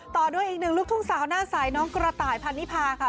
ต่อด้วยอีกหนึ่งลูกทุ่งสาวหน้าสายน้องกระต่ายพันนิพาค่ะ